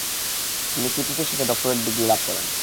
তিনি কৃতিত্বের সাথে ডক্টরেট ডিগ্রি লাভ করেন।